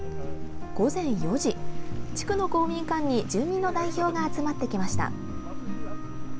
午前４時、地区の公民館に住民の代表が集まってきました。